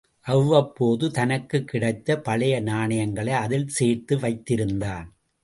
அவ்வப்போது தனக்குக் கிடைத்த பழைய நாணயங்களை அதில் சேர்த்து வைத்திருந்தான்.